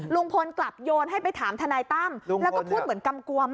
ลุงพลกลับโยนให้ไปถามทนายตั้มแล้วก็พูดเหมือนกำกวม